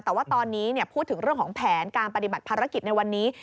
แต่ว่าตอนนี้พูดถึงเรื่องของแผนการปฏิบัติภารกิจในวันนี้